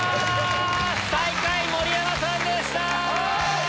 最下位盛山さんでした。